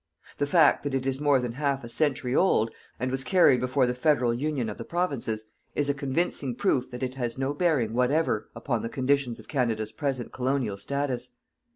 The fact that it is more than half a century old, and was carried before the Federal Union of the Provinces, is a convincing proof that it has no bearing whatever upon the conditions of Canada's present colonial status.